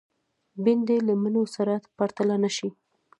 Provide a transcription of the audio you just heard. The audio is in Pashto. بېنډۍ له مڼو سره پرتله نشي